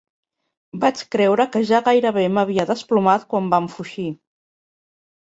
Vaig creure que ja gairebé m'havia desplomat quan vam fugir.